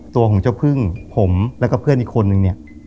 ตัวของเจ้าพึ่งผมแล้วก็เพื่อนอีกคนนึงเนี่ย